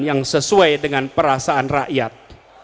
yang sesuai dengan perasaan rakyat